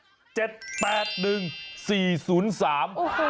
โอ้โหโทษดีจริงค่ะ